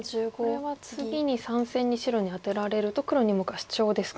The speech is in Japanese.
これは次に３線に白にアテられると黒２目はシチョウですか。